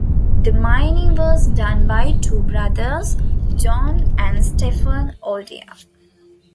The mining was done by two brothers, John and Stephen O'Dea.